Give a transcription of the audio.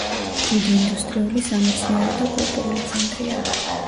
დიდი ინდუსტრიული, სამეცნიერო და კულტურული ცენტრია.